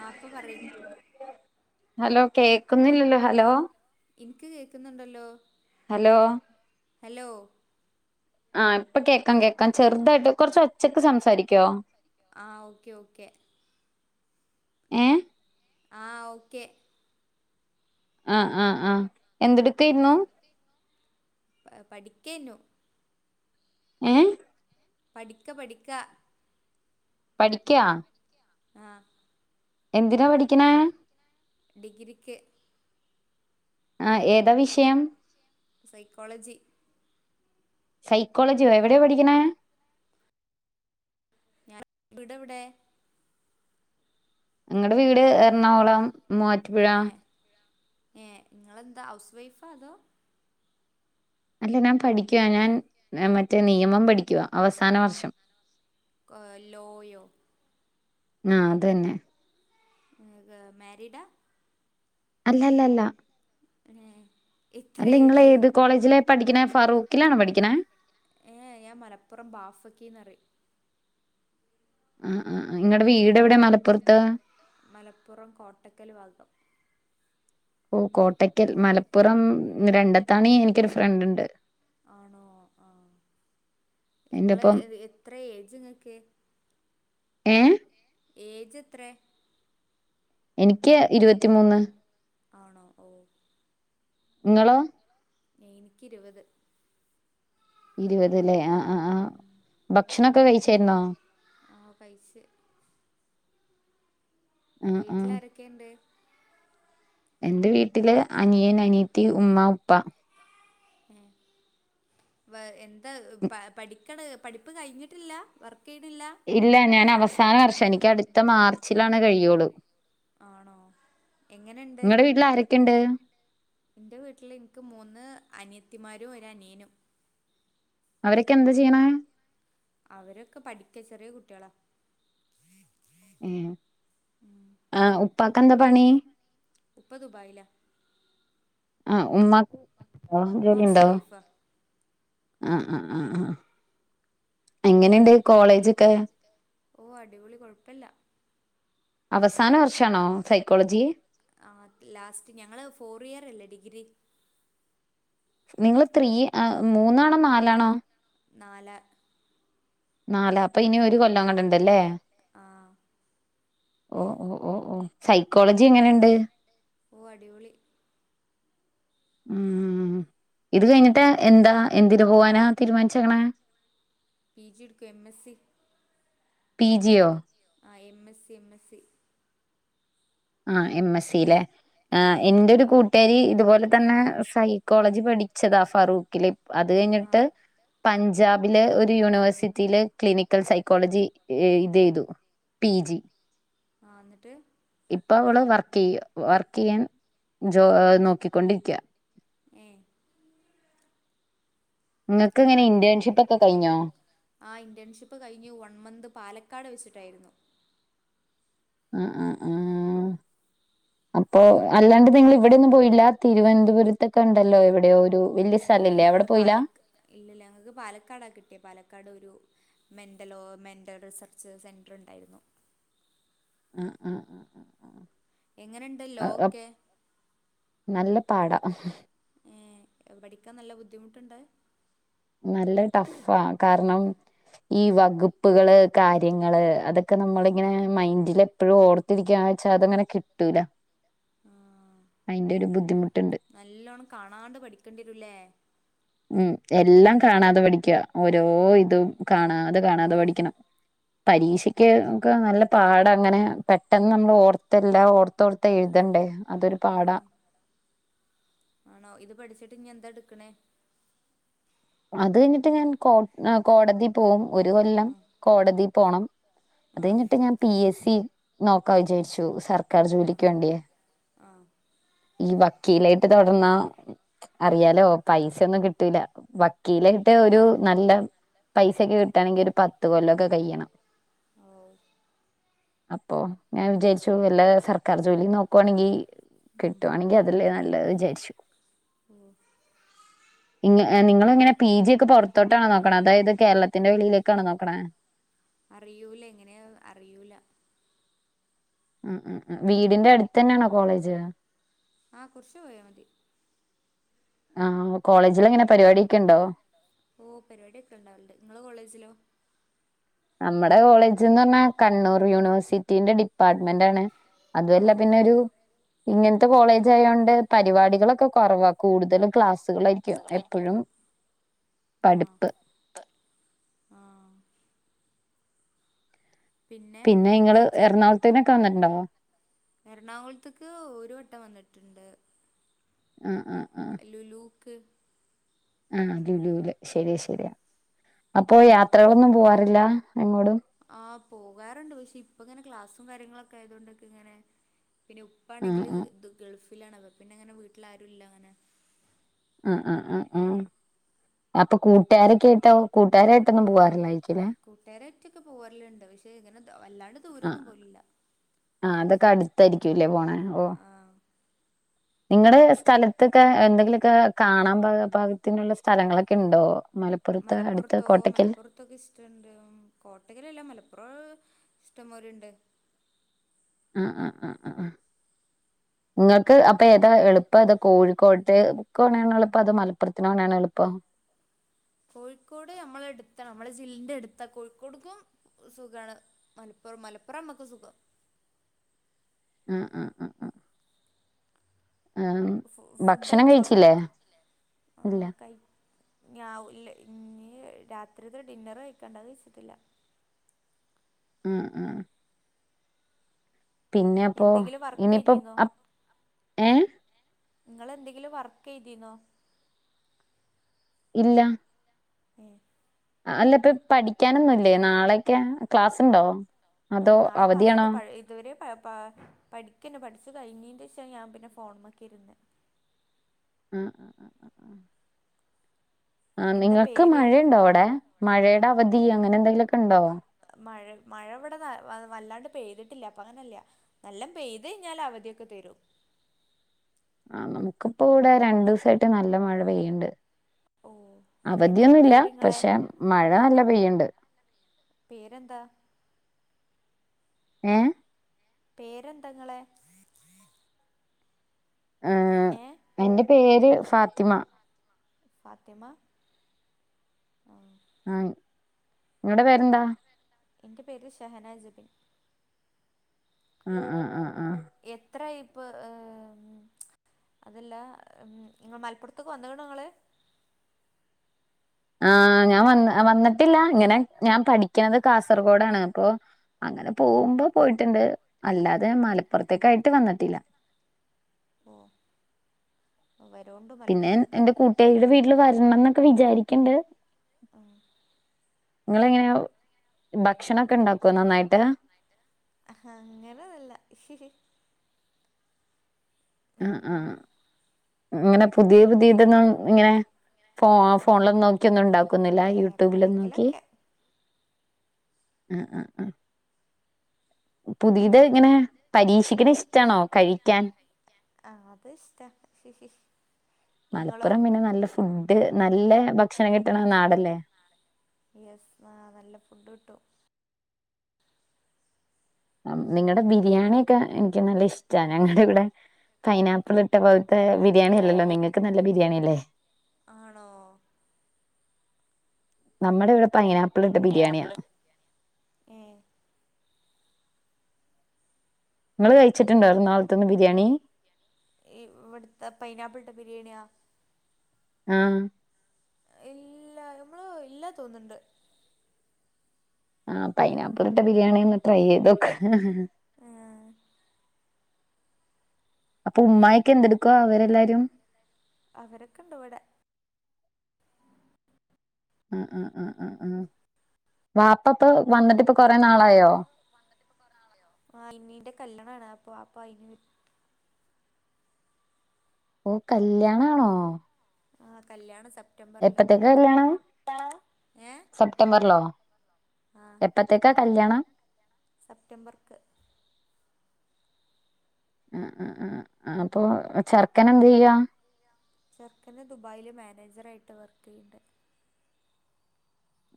ആ അപ്പൊ പറ ഹലോ കേക്കുന്നില്ലല്ലോ ഹലോ എനിക്ക് കേക്കുന്നുണ്ടല്ലോ ഹലോ ഹലോ ആഹ് ഇപ്പ കേൾക്കാം കേക്കാം ചെറുതായിട്ട് കൊറച്ച് ഒച്ചക്ക് സംസാരിക്കുവോ ആഹ് ഓക്കെ ഓക്കെ ഏ [unintelligible] ആഹ ഓക്കെ ആഹ ആഹ് ആഹ എന്തെടുത്തായിരുന്നു പഠിക്കേന്നു ഏ [unintelligible] പഠിക്ക പഠിക്ക പഠിക്കാ ആഹ! എന്തിനാ പഠിക്കണ? ഡിഗ്രിക്ക്. ആ ഏതാ വിഷയം? സൈക്കോളജി സൈക്കോളജിയോ എവിടെയോ പഠിക്കണ? ഞാൻ ഇവിടെവിടെ നിങ്ങളടെ വീട് എറണാകുളം മൂവാറ്റുപ്പുഴ ഏ ഏ നിങ്ങളെന്താ ഹൗസ് വൈഫാ അതോ? അല്ല ഞാൻ പഠിക്കു ഞാൻ മറ്റേ നിയമം പഠിക്കുവാ അവസാന വർഷം. ലോ യോ? ആ അത തന്നെ എ മ്യാരിഡാ അല്ലല്ലല്ല [inaudible] അല്ല നിങ്ങ ഏജ് ഏത് കോളേജില പഠിക്കണ ഫാറൂഖിലാണ് പഠിക്കണേ ഏ ഞാൻ മലപ്പുറം ബാഫക്കിന്ന്റി ആ ആ് നിങ്ങളടെ വീട് എവിടെ മലപ്പുറത്ത് മലപ്പുറം കോട്ടക്കല് വാഗം ഓ കോട്ടയ്ക്കൽ മലപ്പുറം രണ്ടത്തണി എനിക്കൊരു ഫ്രണ്ട് ഉണ്ട് ആണോ ആ എന്റെപ്പം ഇങ്ങള്എത്ര ഏജ്ങ്ങക്ക് ഏ ഏജ് എത്ര? എനിക്ക് ഇരുപത്തിമൂന്ന്. ആണോ ഓ. നിങ്ങള് എനിക്ക ഇരുപത് ഇരുപതലേ ആ ആ ആ് ഭക്ഷണൊക്കെ കഴിച്ചായിരുന്നോ? ആഹ പൈസ ആ ആ വീട്ടില ആാരൊക്കെയ ഇണ്ട്? എന്റെ വീട്ടില് അനിയൻ അനീത്തി ഉമ്മ ഉപ്പ ഉ വ എന്താ പഠ പഠിപ്പ് കഴിഞ്ഞിട്ടില്ല ചെയ്യണില്ല ഇല്ല ഞാൻ അവസാന വർഷം എനിക്ക് അടുത്ത മാർച്ചിലാണ് കഴിയുള്ളൂ!. ആണോ എങ്ങനെുണ്ട്? നിങ്ങളുടെ വീട്ടിൽ ആരൊക്കെയുണ്ട് എന്റെ വീട്ടില് എനിക്ക് മൂന്ന് അനിയത്തിമാരും ഒരനിയനും അവരൊക്കെ എന്താ ചെയ്യണ? അവരൊക്കെ പഠിക്ക ചെറിയ കുട്ടികളാ. ഉം ആ ഉപ്പക്ക് എന്താ പണി? ഉപ്പ ദുബായിലാ ആഹ് ഉമാക്ക്ണ്ട ഉമ്മ ഹൗസ് ജോലിണ്ടാവോ? വൈഫാ ആഹ് ആഹ് ആഹ് ആഹ് ഏ ഓ അടിപൊളി കൊഴപ്പില്ല. അവസാന വർഷാണോ സൈക്കോളജി? ആ ലാസ്റ്റ് ഞങ്ങള് ഫോർ ഇയർ അല്ലേ ഡിഗ്രി. നിങ്ങള് ത്രീ മൂന്നാണോ നാലാണോ? നാല് നാല അപ്പൊ ഇനി ഒരു കൊല്ലം അങ്ങട്ടുണ്ടല്ലേ. ആഹ് ഓ ഓ ഓ ഓ സൈക്കോളജി എങ്ങനെുണ്ട് ഓ അടിപൊളി ഉം ഇത് കഴിഞ്ഞിട്ട് എന്താ എന്ന് പോവാനാ തീരുമാനിച്ചങ്ങണെ പി ജി ട്ക എം എസ്സി പി ജിയോ ആ എം എസ്സി എം എസ്സി ആ എം എസ് സല്ലെ ആ എന്റെ ഒരു കൂട്ടാരി ഇതുപോലെ തന്നെ സൈക്കോളജി പഠിച്ചതാ ഫാറൂഖില് അത് ആ കഴിഞ്ഞിട്ട് പഞ്ചാബിലെ ഒരു യൂണിവേഴ്സിറ്റിയില് ക്ലിനിക്കൽ സൈക്കോളജി ഇത് ചെയ്തു പി ജി ആഹ് എന്നിട്ട് ഇപ്പ അവള് വർക്ക് ചെയ്യ വർക്ക് ചെയ്യാൻ ജോ നോക്കിക്കൊണ്ടിരിക്കുക എഏ നിങ്ങൾക്ക് ഇങ്ങനെ ഇന്റേൺഷിപ്പ് ഒക്കെ കഴിഞ്ഞോ ആ ഇന്റേൺഷിപ്പ് കഴിഞ് വൺ മന്ത് പാലക്കാട് വെച്ചിട്ടു ട്ടായിരുന്നു ആ ആഹ് ആഹ് അപ്പൊ അല്ലാണ്ട് നിങ്ങ ഇവിടെന്നും പോയില്ല തിരുവനന്തപുരത്തൊക്കെ ഉണ്ടല്ലോ എവിടെയോ ഒരു വലിയ ഏ സ്ഥലല്ലേ അവിടെ ഞങ്ങള് പോയില്ല പാല ഇല്ല ഞങ്ങക്ക് പാലക്കാടാ കിട്ടിയ പാലക്കാട് ഒരു മെന്റലോ മെന്റൽ റിസർച്ച് സെന്റർ ഉണ്ടായിരുന്നു ആ ആ ആ ആ ആ എങ്ങനെുണ്ട് ലോ ഒക്കെ നല്ല പാടാ ഏ പഠിക്കാൻ നല്ല ബുദ്ധിമുട്ടുണ്ട് നല്ല ടഫാ കാരണം ഈ വകുപ്പുകള് കാര്യങ്ങള് അതൊക്കെ ഒക്കെ നമ്മളിങ്ങനെ മൈന്ഡില എപ്പോഴും ഓർത്തിരിക്കാ വച്ചാ അതിങ്ങനെ കിട്ടൂല ആ അതിന്റെ ഒരു ബുദ്ധിമുട്ടുണ്ട് നല്ലോണം കാണാണ്ട് പഠിക്കേണ്ടിരല്ലേ ഉം എല്ലാം കാണാതെ പഠിക്കുക ഓരോ ഇതും കാണാതെ കാണാതെ പഠിക്കണം [inaudible] പരീക്ഷയ്ക്ക് ഒക്കെ നല്ല പാട അ അങ്ങനെ പെട്ടെന്ന് നമ്മള് ഓർത്തല്ല ഓർത്തോഓർത്തെ എഴുതണ്ടേ അതൊരു ഉം പാടാ ആണോ ഇത് പഠിച്ചിട്ട് ഇ എന്ത എടു ടുക്കണേ അത് കഴിഞ്ഞിട്ട് ഞാൻ കോ കോടതി പോകും ഒരു കൊല്ലം കോടതി പോണം അത് ആ കയിഞ്ഞിട്ട് ഞാൻ പി എസ് സി നോക്കാ വിചാരിച്ചു സർക്കാർ ജോലിക്ക് വേണ്ടിയേ ആ ഈ വക്കീലായിട്ട് തുടർന്ന അറിയാലോ പൈസൊന്നും കിട്ടൂല്ല വക്കീല യിട്ട്ഒരു നല്ല പൈസൊക്കെ കിട്ടുകയാണെങ്കിൽ ഒരു പത്ത് കൊല്ലൊക്കെ കഴിയണം ആ അപ്പൊ ഞാൻ വിചാരിച്ചു വല്ല സർക്കാർ ജോലി നോക്കുവാണെങ്കിൽ കിട്ടുവാണെങ്കിൽ അതില്ലേ നല്ലത് വിചാരിച്ചു ഉ ഇങ്ങ നിങ്ങ ഇങ്ങനെ പി ജി ഒക്കെ പുറത്തോട്ടാണ് നോക്കണ അതായത് കേരളത്തിന്റെ വെളിയിലേക്കാണ് നോക്കണ അറിയൂല എങ്ങനെയ അറയിൂല ഉം ഉം ഉ വീടിന്റെ അടുത്ത് തന്നെയാണോ കോളേജ് ആ കുറിച്ച് പോയാൽ മതി ആ കോളേജിൽ എങ്ങനെ പരിപാടിയൊക്കെ ഉണ്ടോ ഓ പരിപാടൊക്കെ ഉണ്ടാവല്ലേ നിങ്ങള് കോളേജിലോ നമ്മുടെ കോളേജ്ന്ന് പറഞ്ഞാ കണ്ണൂർ യൂണിവേഴ്സിറ്റിന്റെ ഡിപ്പാർട്ട്മെന്റ്ണ് ആ അതുഅല്ല പിന്നൊരു ഇങ്ങൻത്തെ കോളേജായൊണ്ട് പരിവാടികളൊക്കെ കൊറവാ കൂടുതലും ക്ലാസ് [unintelligible] സുഖായിരിക്കും എപ്പോഴും ആ പഠിപ്പ് ആ പിന്നെ ഇങ്ങള് എറണാകുളത്തേനൊക്കെ വന്നിട്ട് ണ്ടോ എറണാകുള്ത്ത്ക്ക് ഒരു വട്ടം വന്നിട്ട് ണ്ട് അ ആ ലുലൂക്ക് ആ ലൂലൂല് ശരിയ ശരിയാ അപ്പൊ യാത്രകളൊന്നും പോവാറില്ല എങ്ങോടും? ആ പോകാറ്ണ്ട് പക്ഷെ ഇപ്പ ഇങ്ങനെ ക്ലാസ്സും കാര്യങ്ങളൊക്കെ ആയതൊണ്ടൊക്കെ ഇങ്ങനെ പിന്നെ ഉപ്പ ആഹ് ആണെങ്കില് ആഹ്. ദു ഗൾഫിലാണ്അപ്പ പിന്നങ്ങനെ വീട്ടിൽ ആരു ഇല്ല അങ്ങനെ അ അ അ ആ അപ്പ കൂട്ടരെക്കെയിട്ടോ കൂട്ടരായിട്ട് പൊവാറില്ലേ കൂട്ടുരായിറ്റൊക്കെ പോരല്ണ്ട് പക്ഷെ ഇങ്ങനെ ദ വല്ലാണ്ട് ദൂരൊന്നും പോലില്ല ക്ക അട്ത്തായിരിക്കുല്ലേ പോണെ ഓ ആ നിങ്ങടെ സ്ഥലത്ത്ക്കെ എന്തെങ്കിലൊ ക്കെ കാണാം പാ പാകത്തിന്ള്ള സ്ഥലങ്ങളൊക്കെ ഇണ്ടോ മലപ്പുർത്തോ മലപ്പുറത്തൊക്കെ ഇഷ്ടണ്ട് കോട്ടക്കലല്ല മലപ്പുറൊ ഇഷ്ടം പോലെ ഇണ്ട് അ അ അ അ ആ ഇങ്ങക്ക് അപ്പ ഏതാ എളുപ്പഏതാ കോഴിക്കോട്ടേക്കോണാണെ എളുപ്പ അതോമലപ്പുറത്തിനോണാണെ എള്പ്പം കോഴിക്കോട് നമ്മളെട്ത്ത നമ്മളെ ജില്ലെന്റെ എട്ത്താ കോഴിക്കോട്ക്കും സുഖാണ് മല ഓ മലപ്പുറ മ്മക്ക് സുഖം ആ അ അ ആ ആ ഫു ഫുഡ് ഭക്ഷണം കഴിച്ചോ കഴിച്ചില്ലേ ഇല്ല ഞാവുല്ലെ ഇനി രാത്രി ത്തെ ഡിന്നറ് കഴിക്കണ്ടാന്ന് കയിച്ച്ട്ട്ല്ല ഉം ഉ പിന്നെ അപ്പൊ എന്തെങ്കിലും വർക്ക് ഇനിയിപ്പ എഴുതിന്നോ അ ഏ ഇങ്ങള് എന്തെങ്കിലും വർക്ക് യ്തിന്നൊ ഇല്ല ഉം അ അല്ല ഇപ്പ പഠിക്കാനൊന്നുല്ലേ നാളെയൊക്കെ ക്ലാസ്സ്ണ്ടോ മ് നാളെ ക്ലാസ്ണ്ട് പഴേ ഇതുവരെ പ പാ പഠിക്ക്ന്നെ പഠിച്ച് കഴിഞ്ഞീന്റെ ഷ ഞാൻ പിന്നെ ഫോൺമക്ക് ഇര്ന്നെ ആ ആ ആ ആ ആ ആ എന്താ നിങ്ങക്ക് പേര് മഴയിണ്ടോ അവിടെ മഴേടെ അവധി അങ്ങനെ എന്തെങ്കിലൊക്കെ മഴ മഴ ഇവിടെ ന വല്ലാണ്ട് പെയ്തിട്ടില്ല അപ്പ അങ്ങനല്ല നല്ലം പെയ്ത്ഴിഞ്ഞാല് അവധിയൊക്കെ തരും ആ നമുക്ക്പ്പോ ഇവിടെ രണ്ടുസായിട്ട് നല്ല മ ഓ എന്താ അവധിയൊന്നുല്ല പേര്ങ്ങളെ പക്ഷെ മഴ നല്ല പെയ്യ് ണ്ട് പേരെന്താ ഏ പേരെന്തങ്ങളെ ആ എന്റെ പേര് ഫാത്തിമ ഫാത്തിമ ആ ആ നിങ്ങൾടെ പേരെന്താ എന്റെ പേര് ഷഹന ജബിൻ ആ അ അ ആ എത്രായിപ്പ് ഏ മ് അതല്ല മ് നിങ്ങ മലപ്പുർത്ത്ക്ക് വന്ന് ണോങ്ങള് ആഹ ഞാൻ വ വന്നിട്ടില്ല ഇങ്ങനെ ഞാൻ പഠിക്കുന്നത് കാസർഗോഡാണ് അപ്പൊ അങ്ങനെ പോകുമ്പോ പോയിട്ടുണ്ട് അല്ലാതെ മലപ്പുറത്തേക്ക ആയിട്ട് വന്നിട്ടില്ല ഓ വരോണ്ട് പിന്നെ മലപ്പുറത്തേക്ക് എറെ കൂട്ടുകാടെ വീട്ടില് വരണം എന്നൊക്കെ വിചാരിക്കണ്ട് ആ നിങ്ങ എങ്ങനെയ ഭക്ഷണൊക്കെ ഇണ്ടാക്കോ നന്നായിട്ട് ആ അങ്ങനതല്ല ആ ആഹ ഇങ്ങനെ പുതിയ പുതിയ ഇതന്ന ഇങ്ങനെ ഫ ഫോണിലന്നും നോക്കിയൊന്നും ഉണ്ടാക്കുന്നില്ല യൂട്യൂബിലും നോക്കി എപ്പളെങ്കിലൊക്കെ ആഏ ആ ആ പുതിയത് ഇങ്ങനെ പരീക്ഷിക്കണ ഇഷ്ടാണോ കഴിക്കാൻ ആഹ അത് ഇഷ്ട ഇങ്ങളോ മലപ്പുറം പിന്നെ നല്ല ഫുഡ് നല്ല ഭക്ഷണം കിട്ടണ നാടല്ലേ യെസ് ആ നല്ല ഫുഡ് കിട്ടു നിങ്ങളുടെ ബിരിയാണിയൊക്കെ എനിക്ക് നല്ല ഇഷ്ടമാണ് ഞങ്ങളുടെ ഇവിടെ പൈനാപ്പിൾ ഇട്ട പോലെ മ ബിരിയാണി അല്ലല്ലോ നിങ്ങൾക്ക് നല്ല ബിരിയാണി അല്ലേ ആണോ നമ്മുടെ ഇവിടെ പൈനാ അന അപ്പള്ള ഉം നിങ്ങൾ പിന്നെ കഴിച്ചിട്ടുണ്ടായിറ നാളത്തുന്ന് ബിരിയാണി ഇവിടുത്തെ പൈനാപ്പിളിടെ ബിരിയാണിയാ ആഹ ഇല്ല നമ്മള് ഇല്ലാ തോന്നണ്ട് ആ പൈനാപ്പിൾ ഇട്ട ബിരിയാണി ഒന്ന് ട്രൈ ചെയ്തോക്ക ആ അപ്പൊ ഉമ്മായക്കെ എന്തെടുക്കുവ അവരെല്ലാരും അവരൊക്കെണ്ട അവിടെ ഉ ഉം ഉം ഉം ഉ വാപ്പ ഇപ്പ വന്നിട്ട്പ്പൊ ആ ഇന്നീന്റെ കല്യാണാണ് അപ്പൊ അപ്പ അയിന് വി ഓ കല്യാണാണോ ആഹ് കല്യാണ സപ്പ എപ്പത്തേക്ക കല്യാണ ഏ സെപ്റ്റംബറിലോ ആ എപ്പത്തേക്കാ കല്യാണം സെപ്റ്റംബർക്ക് ആ ആ ആ അപ്പൊ ചർക്കന എന്ത് ചെയ്യ ചര്ക്കന് ദുബായില മാനേജറ ആയിട്ട് വര്ക്ക് ചെയ്യുന്നുണ്ട്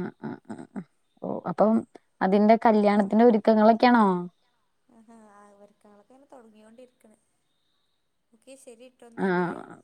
ആ ആ ആ ഓ അപ്പം അതിന്റെ കല്യാണത്തിന്റെ ഒരുക്കങ്ങളൊക്കെയാണോ ആ ആ വരക്കങ്ങളൊക്കെ ഇങ്ങനെ തുടങ്ങോണ്ടിരിക്കണ് എ ശരി ഇട്ടന്നല്േ ആ